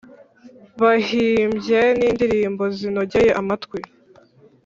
Bahimbye n’indirimbo zinogeye amatwi,